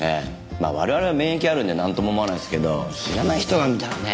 まあ我々は免疫あるんでなんとも思わないですけど知らない人が見たらね。